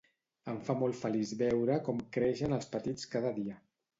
Em fa molt feliç veure com creixen els petits cada dia.